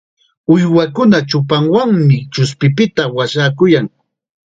Uywakuna chupanwanmi chuspikunapita washakuyan.